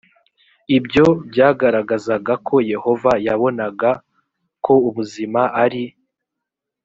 ibyo byagaragazaga ko yehova yabonaga ko ubuzima ari